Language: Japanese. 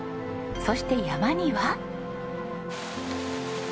そして山には。